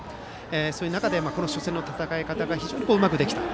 そういう中で初戦の戦い方が非常にうまくできた。